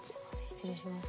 失礼します。